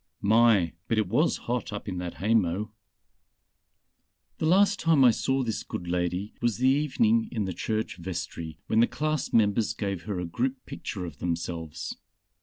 My, but it was hot up in that haymow!... "The last time I saw this good lady was the evening in the church vestry when the class members gave her a group picture of themselves.